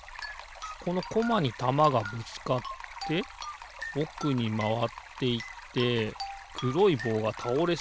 このコマにたまがぶつかっておくにまわっていってくろいぼうがたおれそうだな。